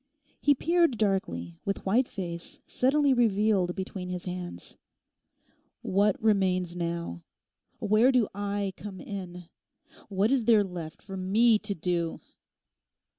He peered darkly, with white face suddenly revealed between his hands. 'What remains now? Where do I come in? What is there left for me to do?